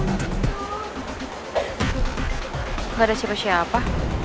nggak ada siapa siapa